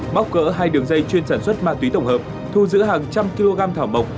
bóc cỡ hai đường dây chuyên sản xuất ma túy tổng hợp thu giữ hàng trăm kg thảo mộc